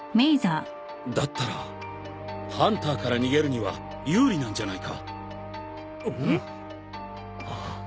だったらハンターから逃げるには有利なんじゃないか？